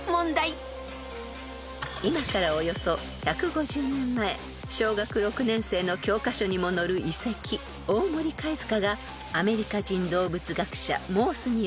［今からおよそ１５０年前小学６年生の教科書にも載る遺跡大森貝塚がアメリカ人動物学者モースによって発見されました］